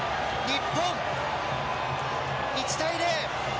日本、１対０。